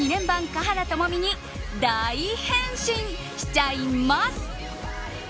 華原朋美に大変身しちゃいます！